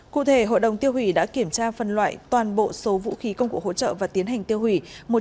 cụ thể hội đồng tiêu hủy đã kiểm tra phần loại toàn bộ số vũ khí công cụ hỗ trợ và tiến hành tiêu hủy